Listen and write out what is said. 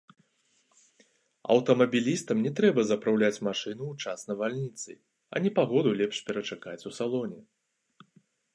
Аўтамабілістам не трэба запраўляць машыну ў час навальніцы, а непагоду лепш перачакаць у салоне.